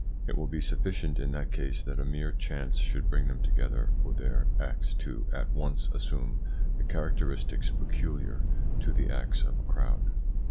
It will be sufficient in that case that a mere chance should bring them together for their acts to at once assume the characteristics peculiar to the acts of a crowd.